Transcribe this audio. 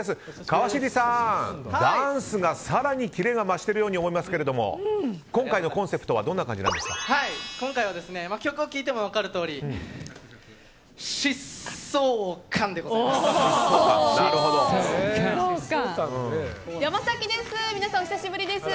川尻さん、ダンスが更にキレが増しているように思いますけれども今回のコンセプトは今回は曲を聴いても分かるとおり疾走感でございます。